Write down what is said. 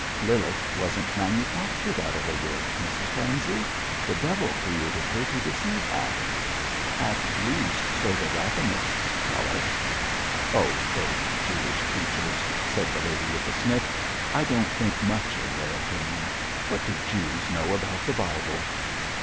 'Lilith wasn't manufactured out of a rib, Mrs Pansey. The devil created her to deceive Adam. At least, so the Rabbinists tell us!' 'Oh, those Jewish creatures!' said the lady, with a sniff. 'I don't think much of their opinion. What do Jews know about the Bible?'